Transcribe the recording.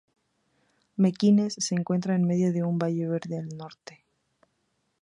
Mequinez se encuentra en medio de un valle verde, al norte.